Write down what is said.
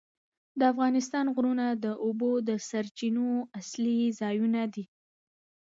د افغانستان غرونه د اوبو د سرچینو اصلي ځایونه دي.